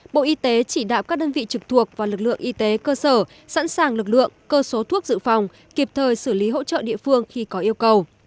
bộ y tế chỉ đạo các đơn vị trực thuộc và lực lượng y tế cơ sở sẵn sàng lực lượng cơ số thuốc dự phòng kịp thời xử lý hỗ trợ địa phương khi có yêu cầu